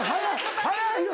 早いよ